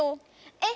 えっ